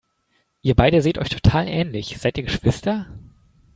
Ihr beide seht euch total ähnlich, seid ihr Geschwister?